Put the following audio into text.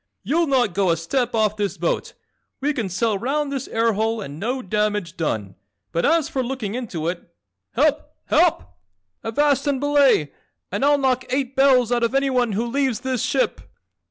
"You'll not go a step off this boat. We can sail round this air hole and no damage done, but as for looking into it! Help, HELP! Avast and belay and I'll knock eight bells out of anyone who leaves this ship!"